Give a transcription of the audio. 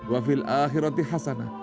wa fil akhirati hasana